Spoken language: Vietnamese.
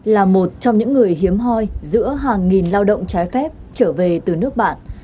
là một trong những người hiếm hoi giữa hàng nghìn lao động trái phép trở về từ nước bạn